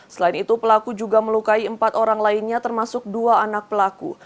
selain itu pelaku juga melukai empat orang lainnya termasuk dua anak pelaku